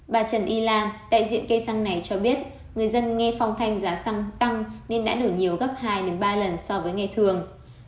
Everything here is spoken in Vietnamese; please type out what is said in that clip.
bà trần y lan đại diện cây xăng này cho biết người dân nghe phong thanh giá xăng tăng nên đã nở nhiều gấp hai ba lần so với ngày thường